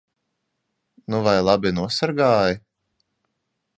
Nu vai labi nosargāji?